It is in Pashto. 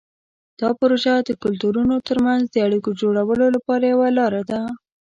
دا پروژه د کلتورونو ترمنځ د اړیکو جوړولو لپاره یوه لاره ده.